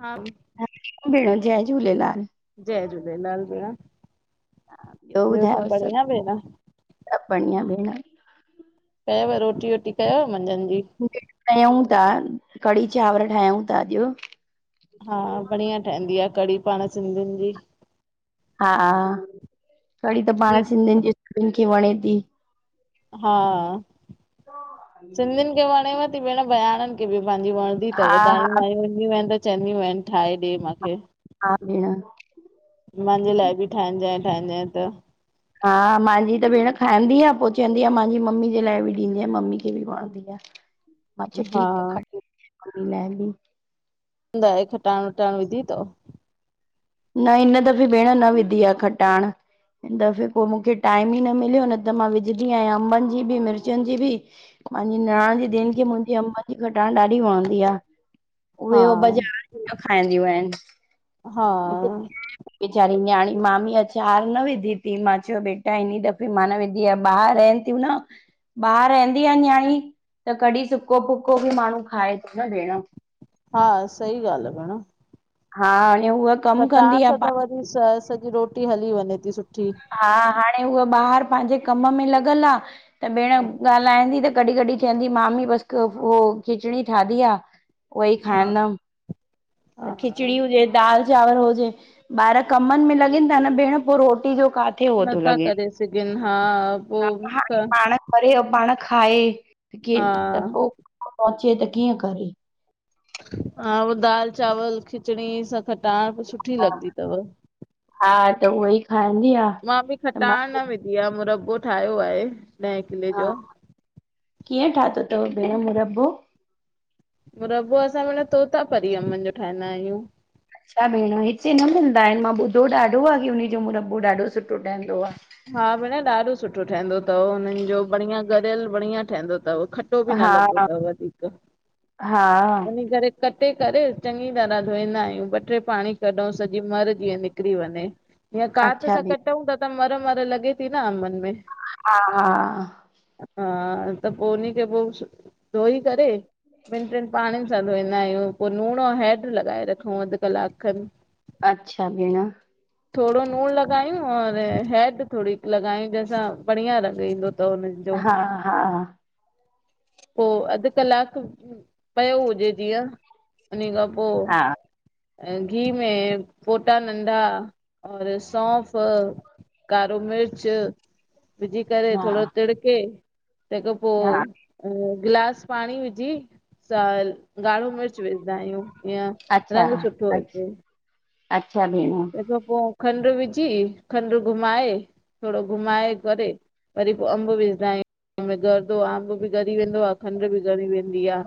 हा। ह भेण जय झूलेलाल। जय झूलेलाल भेण। हा, ॿियो सभु ॿुधायो सभ? बढ़िया भेण सभ बढ़िया भेण। कयव रोटी वोटी कयव मंझंदि जी? कयऊं ता, कढ़ी चांवर ठाहियूं ता अॼु, हा, बढ़िया ठहंदी आ कढ़ी पाण सिंधियुनि जी, हा, कढ़ी त पाण कीअं सिंधियुनि जे सभिनि खे वणे ती। हा, सिंधियुनि खे वणेव ती भेण, बयााणनि खे बि पंहिंजी वण दी हा तव दायूं हा मांयूं ईंदियूं आहिनि त चवंदियूं आहिनि ठाहे ॾे मांखे। हा भेण। मांजे लाइ बि ठाहजांइ ठाहजें त, हा, मांहिंजी त भेण खाईंदी आ, पो चवंदी आ मांजी मम्मी जे लाइ बि ॾींजें, मम्मी खे बि वणंदी आ। अचछा हा ठीक आहे खी खी लेंदी [unintelligible] न हे खटाण वटाण विधी तव? न इन दफ़े भेण न विधी आ, खटाण। हिन दफ़े पो मूंखे टाइम ई न मिलियो, न त मां विझंदी आहियां अंबनि जी बि, मिर्चनि जी बि, पंहिंजी निणान जी धीन खे मुंहिंजी अम्बन जी घटाण ॾाढी वणंदी आ, हा उहे ओ बाज़ारि जी न खाईंदियूं आहिनि। हा। वेचारी ॼाणी मामी अचार न विधी ती मां चयो बेटा हिनई दफ़े मां न विधी आ ॿारिइन। थिय न [inaudible] ॿाहिरि रहंदी आ न्याणी त कॾीं सुको- फुको बि माण्हू खाए तो न भेण, हा सही ॻाल्हि आ भेण। हा, हिअं उह कमु कंदी खटाण आ, सां त पा वरी स सॼी रोटी हली वञे ती सुठी। हा, हाणे हूअ ॿाहिरि पांहिंजे कम में लॻल आ, त भेण ॻाल्हाईंदी त कॾीं -कॾीं थीयंदी मामी बसि उ खिचड़ी ठादी आ, उह ई हा खाईंदमि। हा खिचड़ी हुजे, दाल चांवर हुजे, ॿार कमनि में लॻनि न -न भेण पो रोटी जो का नथा करे सघनि हा पोइ पर ऐं पाण खाए क हा त पोइ पहुचे त कीअं करे हा पोइ दाल चावल खिचड़ी सां खटाण सुठी हा लॻंदी अथव हा त उहो ई खाईंदी आ मां बि त मां खटाइाण न विझधी आहे मुरब्बो ठाहियो आहे ॾह किले हा जो कीअं ठाातो थव भेण मुरब्बो मुरब्बो असां माना तोता परी अम्भन जो ठाहींदा आहियूं छा भेण हिते न मिलंदा आहिनि मां ॿुधो ॾाढो आहे की उजो मुरब्बो ॾाढो सुठो ठहंदो आहे हा भेण ॾाढो सुठो ठहंदो अथव हुननि जो बढ़िया गरियल बढ़िया ठहंदो अथव खट्टो बि न लॻदो हा तव वधीक हा वनी करे कटे करे चङी तरह धोईंदा आहियूं ॿ टे पाणी कढूं सॼी मर जीअं निकिरी वञे या कांत अच्छा सां भेण कटूं था त मर मर लॻे थी न अम्भनन में हा हा हा त पोइ उनी खे पोइ धोई करे ॿिनि टिनि पाणीनि सां धोईंदा आहियूं पो लूणुो हैड लॻाए रखूं अधु कलाकु खनि अच्छा भेण थोरो नूणु लॻायूं र हैड थोरी लॻायूं जैसां बढ़िया रंग ईंदो अथव हुनज हा- हा पोइ अधु कलाकु पियो हुजे जीअं उन खां पोइ हा घी में फोटा नंढहा और सौंफ़ कारो मिर्च विझी करे थोरो हा तिड़के तंहिंखां हा पोइ गिलास पाणी विझी अ ॻाढ़ो मिर्च विझंदा आहियूं जिअं अच्छा रंग सुठो अछ अचे अच्छा भेण तंहिंखां पोइ खंडु विझी खंडु घुमाए थोरो घुमाए करे वरी पोइ अम्ब विझंदा आहियूं में गरदो आहे अम्ब बि ॻरी वेंदो आहे खंड बि री वेंदी आहे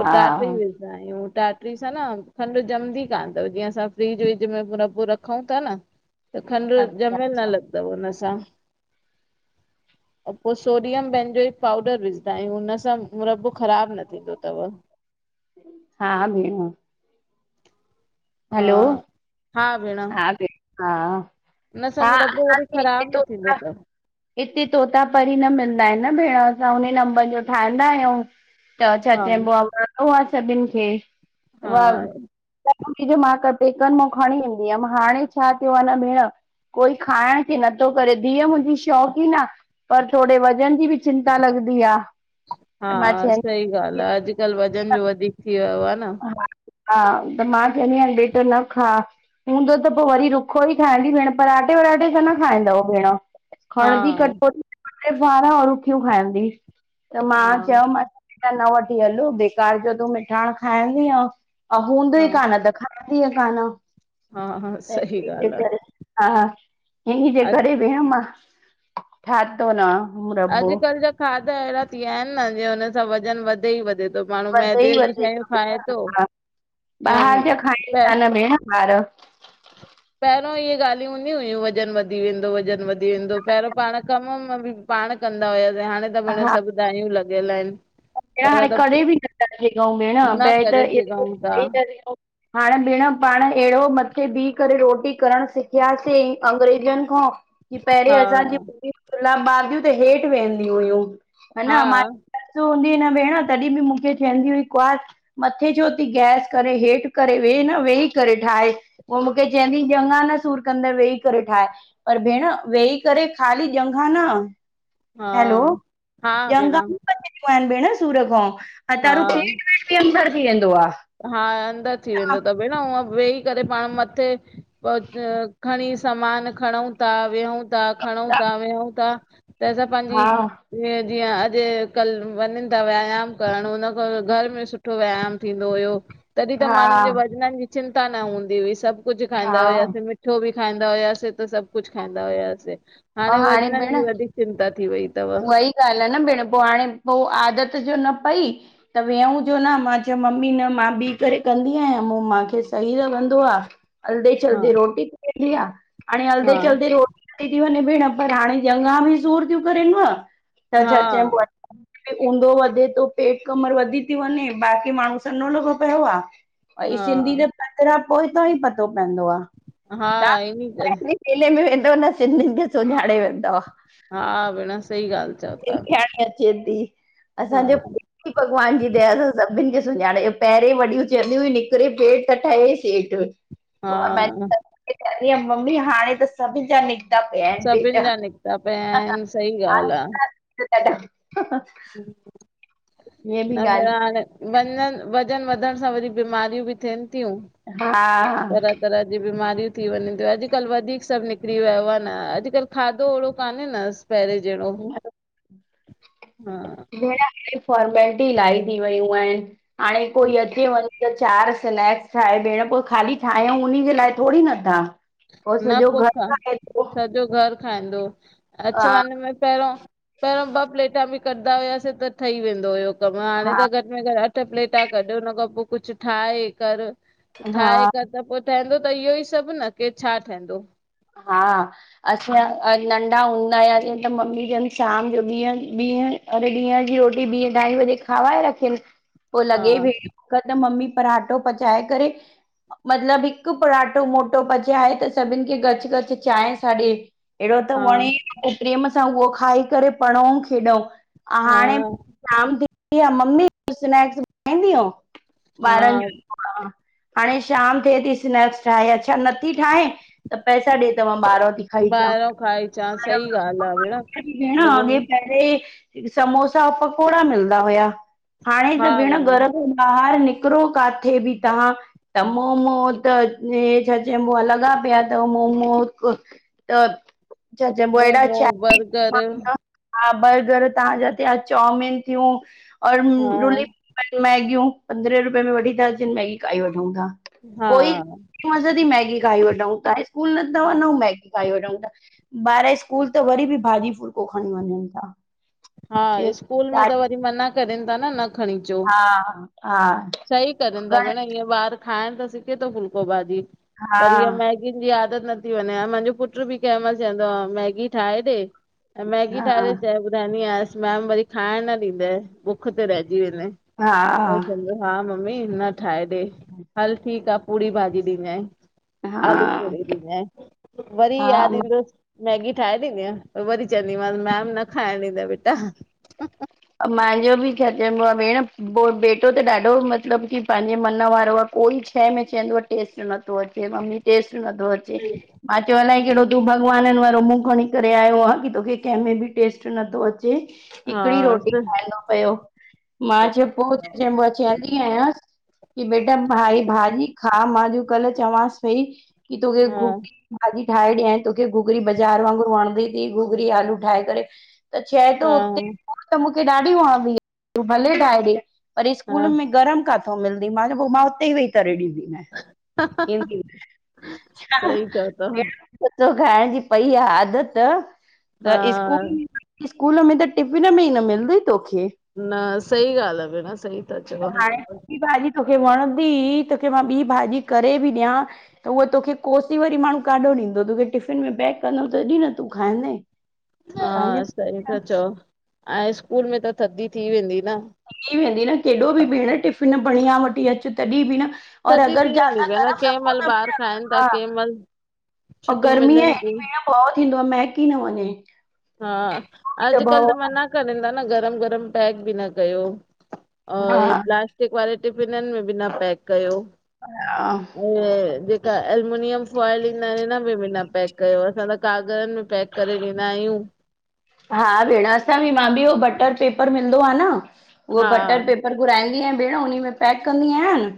पोइ टाट ई मिल दारूं टाटरी सां न खंडु जमंद कान अ जीअं असां फ्रि पूरापू रखूं था न त खंडु अच्छा ॼमियल न लॻंदव हुन सां [inaudible] पोइ सोडियम पंहिंजन जो ई पाउडर विझंदा आहियूं हुनसां रब ख़राबु न थींदो अथव हा भेण हा हा हा भेण हा भेण हा हिन स हा मुरब्बो वरी असांखे हिते ख़राब न तोता थींदो अथव हिते तोता परी न मिलंदा आहिनि न भेण असां हुन नंबर जो ठाहींदा आहियूं त छा हा चइबो आहे सभिनि खे हा ममी जो मां क पेकनि मां खणी ईंदी हुयमि हाणे छा थियो आहे न भेण कोई खाइण क नथो करे धीअ मुंहिंजी शौक़ी न आहे पर थोरे वज़न जी बि चिंता लॻंदी आह हा सही ॻाल्हि आहे अॼुकल्ह वज़न जो वधीक थी वियो आहे न हा त मां चवंदी आां बेटा न खा हूंदो त पोइ वरी रुखो ई खाईंदी भेण पराठे वाटे सां न खाईंदव भेण हा खणंदी कटोती औरखियूं खाईंदी त मां हा चयोमस त न वठी हलो बेकार जो तूं मिठाण खाईंदीअ हा हूंदुई कान त खाना हा हा सही ॻाल्हि आहे करे [unintelligible] हा इनही जे अॼु करे वेहम [unintelligible] मां ठातो न मुरब्बो अॼुकल्ह जा खाधा अहिड़ा थी विया आहिन न जीअं हुननि सां वज़न वधे ई वधे त माण्हू वधे ई मैदे जी वधे शयूं थो खाए भेण थो हा या ॿाहिरि जा खाइन प ता न भेण ॿार पहिरों इहे ॻाल्हियूं हूंदी हुयूं वज़न वधी वेंदो वज़न वधी वेंदो पहिरों पाण कम में बि पाण कंदा हुयासीं हाणे त भेण हा सभु दायूं लॻियल आहिन हाणे कॾहिं [unintelligible] बि नथा सिघऊं भेण न पहरि करे तो सघूं था एतिरो हाणे भेण पाण अहिड़ो मथे बीह करे रोटी करणु सिखियासीं अंग्रेजनि खां की पहिररीं हा असांजी लामारियूं [unintelligible] त हेठि वेहंदी हुयूं ह हा न जद हूंदी हुई न भेण तॾहिं बि मूंखे चवंदी हुई कुआर मथे छो थी गैस करे हेठि करे वेह न वेही करे ठाहे पोइ मूंखे चवंदी ज ॾ्यंघा न सूर कंदे वेही करे ठाहे पर भेण वेही करे खाली ॾ्यंघा न हा हलो हा ॾ्यंघ भेण भेण सूर खां अथारु हा पेट वेट भी अंदर थी वेंदो आहे हा अंदरि थी वेंदो त भेण हूअ वेही करे पाण मथे प खणी सामान खणूं था वेहूं था खणूं था वेहूं था त असां पंहिंजी जीअं जीअं अॼु कल वञनि था व्यायाम करणु हुनन खां घर में सुठो व्यायाम थींदो तॾहिं त हा माण्हुनि जे वज़ननि जी चिंता न हूंदी हुई सभु कुझु खाईंदा हा हुआसीं मिठो बि खाईंदा हुआसीं त सभु कुझु खाईंदा हुआसीं ऐं हाणे वज़ननि भेण जी वधीक चिंता थी वई अथव उहा ई ॻाल्हि आहे न भेण पोइ हाणे पोइ आदत जो न पई त वेहूं जो न मां चयोय मम्मी न मां ॿी करे कंदी आहियां म मूंखे सही लॻंदो आहे हलधे हा चलदे रोटी ठयी वेंदी आं हलधे हा चलदे रोट थी वञे भेण पर हाणे ॾ्यंघा बि सूर थीयूं करेनव छा चइबो आहे ऊंधो वधे थो पेट कमर वधी थी वञे बाक़ी माण्हू सनो लॻो पियो आहे हा सिंधी जे हा पत पोइ [unintelligible] त ई पतो पवंदो आहे हा हिनी करे मेले में वेंदव न सिंधियुनि खे सुञाणे वेंदव हा भेण सही ॻाल्हि चओ था सिंधियाणी अचे थी हा असांजे भॻवान जी दया सां सभिनि खे सुञाणे पहिरें वॾियूं चवंदिय हुई निकिरे पेट त ठहे सेठ हा ममी हाणे त सभिनि जा निकता सभिनि जा निकिता पिया आहिन सही ॻाल्हि आं हा हा न निराण वञनि वज़न वधण सां वरी बीमारियूं बि थियनि थियूं हा ह तरह तरह जी बीमारियूं थी वञ थियूं अॼुकल्ह वधीक सभु निकिरी वियो आहे न अॼुकल्ह खाधो ओहिड़ो कान्हे न पहिरे जेहणो हा भेण हाणे फॉर्मेलिटी इलाही थी वयूं आहिन हाणे कोई अचे वञ त चार स्नैक्स ठाहे भेण, पो खाली ठाहियूं उन्ही जे लाए थोङी न था! पो न सॼो पोइ खा घर खाए थो। सॼो घरु खाईंदो, अचु हा वंञ में पेंरों पेंरियों ॿ प्लेटा बि कढंदा हुआसीं त ठही वेंदो हुयो कमु, हाणे हा त घट में घट अठ प्लेटा कढु, हुन खां पो कुझु ठाहे कर, ठाहे हा कर त पो ठहंदो त इहो ई सब न कि छा ठहंदो? हा असां नंढा हूंदा आ जींअं त मम्मी जन शाम जो ॾीहं, ॾीह अरे ॾींहं जी रोटी ॿीं -अंढाई बजे खाराइ रखियन, पो हा लॻे बि हिकदम मम्मी परांठो पचाए करे मतलब हिकु पराटो मोटो पचाए त सभिन खे गड करे चांएं सा ॾे, अहिड़ो त हा वंणे पो प्रेम सां उहो खाई करे पढ़ऊं खेॾूं, अंउ हा हाणे शाम थींदी आ ऐं मम्मी स्नैक्सा ठांईंदी ॿारनि हा जो। हा हाणे शाम थिए थी, स्नैक्स ठाहे, अच्छा नथी ठाहे त पैसा ॾे त मां ॿारहों थी खाई अचां। ॿाहिरों खाई अचां सही ॻाल्हि आहे भेण मतिलब समोसा औ पकोड़ा मिलदा हुया। हाणे त भेण घर खां ॿाहिर निकिर काथे बि त मोमो त छा चइबो लॻा पिया मोमो मोमो बर्गर [unintelligible] हा बर्गर तव्हांजा थिया, चौमिन थियूं और हा मैगियूं, पंद्रहें रुपये में वठी था अचनि मैगी खाई वठंऊं था। हा तादी मैगी खाई वठंऊ ता, स्कूल नंदा न हू मैगी खाई वठऊं था। ॿार स्कूल त वरी बि भाॼी फुलको खणी वञंनि था। हा स्कूल में त वरी मना करेन ता न, न खणी अचो। हा हा हा सही करंन ता भेण, ईअं ॿार खाइण त सिेखन ता फुलको भाॼी, हा पर इअ मैगी मैगी जी आदत नथी वंञे, ह मुंहिंजो पुट बि कंहिं मइल चवंदो आ, मैगी ठाहे ॾे। मैगी हा ठाहे करे चए ॿुधाईंदी आयांसि, मैम वरी खाइण न ॾींदई बुक्ख ते रहिजी वेंदे। हा पो चवंदो हा मम्मी न ठाहे ॾे, हल ठीकु आ पूड़ी भाॼी ॾिजंइ, आलू हा पूरी ॾिजंइ, वरी हा याद ईंदुस मैगी ठाहे ॾींदीअं, वरी चवंदम मैम न खाइण ॾींदए बेटा। महांजो बि छा चएब आ भेण, बेटो त ॾाढो मतलबु कि पंहिंजे मन वारो आ। कोई शै में चवंदो टेस्ट नथो अचे, मम्मी टेस्ट नथो अचे। मां चयो अलाए कहिड़ो तूं भॻवाननि वारो मुंहुं खणी करे आयो आ कि तोखे कंहिंमें बि टेस्ट अचे हा हिकिड़ी, रोटी खांइंदो पयो, मां च जं मां चंअंदी आहियांस कि बेटा, भाई भाॼी खा, मां कल चवांस पई कि तोखे हा गोबी भाॼी ठाहे ॾियांई तोखे घुघरी बाज़ार वांगुरु वणंदी थई, घुगरी आलू ठाहे करे त चए तो हा उते त मूंखे ॾाढी वणंदी आ, तूं भले ठाए डे पर स्कूल हा में गरम काथे मिलंदी, मां चयो पो मां हुते वेई करे ॾींदी। इ सही चओ था [inaudible] खाइण जी पई आ आदत हा त स्कूल स्कूल में त टिफ़िन में ई न मिलंदी तोखे। न सई ॻाल्हि आ भेण, सही ता हाणे चओ। ॿी भाॼी तोखे वणंदी तोखे मां ॿी भाॼी करे बि ॾियां त उह तोखे कोसी वरी माण्हू काॾो ॾींदो तोखे टिफ़िन में पैक कंदमि तॾी न तूं खाईंदे। तूं हा पंहिंजे सही त चओ, ऐं स्कूल में त थधी थी वेंदी न। थी वेंदी न, केॾो बि भेण टिफ़िन बणिया वठी अच तॾी बि न और थदी अगरि थी वेंदी ज्यादा भेण, गरम कंहिं रखो महिल न ॿार भेण खाइनि ता हा कंहिं महिल छुटी मिलनि ती। ॿहो थींदो आ महकी न वञे। हा अॼकल्ह त मना करेनि ता न गरम गरम पैक बि न कयो। और हा प्लास्टिक वारे टिफिननि में बि न पैक कयो। अ हा ऐं जेका एल्यूमिनियम फॉइल ईंदा आहिनि इन में बि न पैक कयो असां त कागरनि में पैक करे ॾिंदा आयूं। हा भेण असां बि मां बि उहो बटर पेपर मिलंदो आ न, उहो हा बटर पेपर पर घुराईंदी आहियां भेण उनी में पैक कंदी आहियांनि।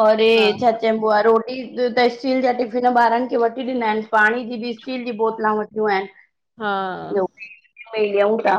औरे हा छा चैबुआ रोटी तसि स्टील जा टिफ़िन ॿारनि खे वठी ॾिना आहिनि, पाणी जी बि स्टील जी बोतला वठियूं आहिनि। हा इयो पे लयूता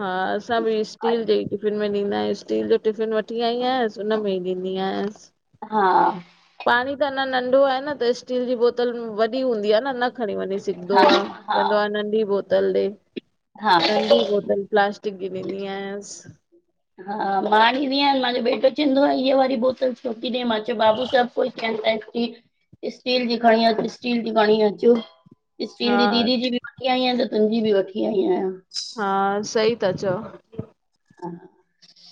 हा असां बि स्टील जे टिफ़िन में ॾींदा आहियूं, स्टील जो टिफ़िन वठी आई आय। हुन में ही ॾींदी आसि। हा पाणी त अञां नंढो आ न त स्टील जी बोतल वॾी हूंदी आ न, न खणी वञी सिघंदो हा आ, हा चवंदो आ नंढी बोतल ॾे, हा नंढी बोतल प्लास्टि क ॾींदी आहियांसि। हा मां आणींदी आहियां, मांजो बेटो चवंदो आ ये वारी बोतल छो ती ॾे, मां चयो बाबू सभु कोई कहता है की स्टील जी खणी अच स्टील जी खणी अच, स्टील हा जी दीदी जी बि वठी आई आयां त तुंहिंजी बि वठी आई आयां। हा सही ता चओ। हा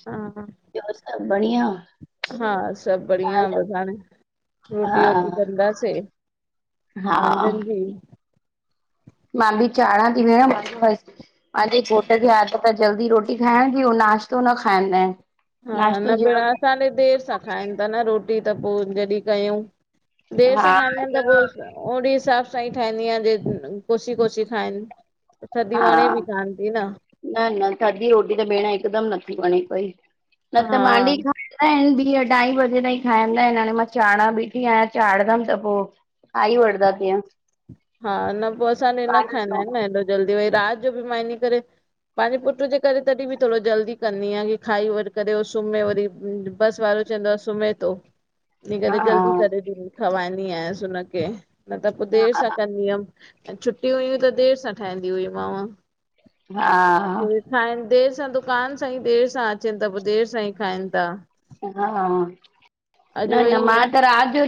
हा ॿयो सभु, बढ़ि ढिया हा सभु बढ़िया बसि हाणे रोटी-वोटी हा कंदासीं हा मंझंदि जी मां बि चाढ़ा ती भेण बसि। मांजे घोटु खे आदत आ जल्दी रोटी खाइण जी, उ नाश्तो न खाईंदा आहिनि। हा नाश्तो न भेण जहिड़ो असां ॾे देरि सां खाइनि ता न रोटी, त पो जॾी कयऊ। देरि हा सां खाईंदा आहिनि त न पो ओड़े हिसाब सां ई ठाहींदी आहियां, जे कोसी कोसी खाइनि। त थदी हा वणे बि कानि ती न। न न थदी रोटी त भेण हिकुदमि नथी वणे पई, न त हा। मानी खा असां ॿी अढाई बजे ताईं खाईंदा आहिनि हाणे मां चढ़ा बीठी आहियां चाढ़ंदमि त पो खाई वठदा तीए। हा न पो असां ॾे न खाईंदा आहिनि न हा हेॾो जल्दी, वरी राति जो बि मां इने करे पांजे पुट्र जे करे तॾहिं बि थोडो जल्दी कंदी आय की जीअं खाई वरी करे सुम्हे वरी बस वारो चईंदो सुम्हें तो। इन करे जल्दी करे ॾी, खवाईंदी आयसि हुनखे, न त पो देर सां कंदी हअम। ऐं छुट्टी हुयूं त देर सां ठाहींदी हुई माव। हा खाइनि देर सां दुकान सां ही देर सां अचनि था पो देर सां ही खाइनि था। हा न अॼु न वई मां त रात जो